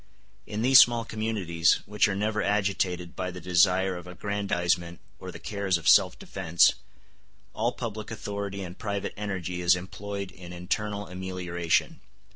In these small communities, which are never agitated by the desire of aggrandizement or the cares of self defence, all public authority and private energy is employed in internal amelioration.